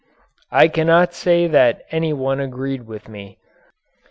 I cannot say that any one agreed with me.